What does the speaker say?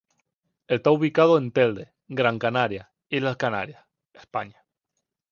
Está ubicado en Telde, Gran Canaria, Islas Canarias, España.